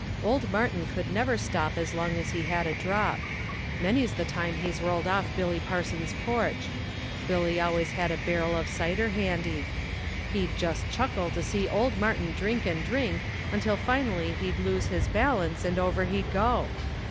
Old Martin could never stop as long as he had a drop. Many's the time he's rolled off of Billy Parson's porch. Billy always had a barrel of cider handy. He'd just chuckle to see old Martin drink and drink until finally he'd lose his balance and over he'd go